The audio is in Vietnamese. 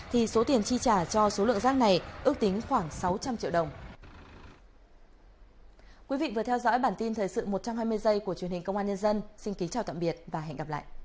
thì số tiền chi trả cho số lượng rác này ước tính khoảng sáu trăm linh triệu đồng